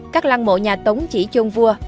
các lăng mộ nhà tống chỉ chôn vua